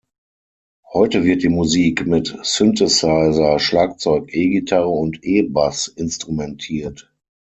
Heute wird die Musik mit Synthesizer, Schlagzeug, E-Gitarre und E-Bass instrumentiert.